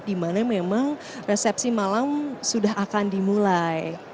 dimana memang resepsi malam sudah akan dimulai